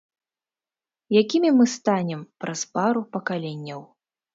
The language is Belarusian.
Якімі мы станем праз пару пакаленняў?